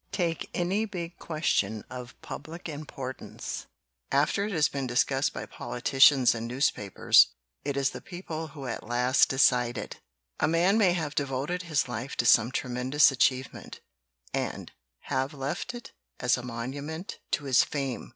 Take any big ques tion of public importance after it has been dis cussed by politicians and newspapers, it is the people who at last decide it. "A man may have devoted his life to some tremendous achievement, and have left it as a monument to his fame.